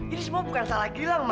ini semua bukan salah gilang